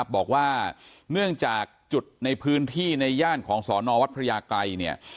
บอกว่าเนื่องจากจุดในพื้นที่ในย่านของสอนอวัดพระยาไกรเนี่ย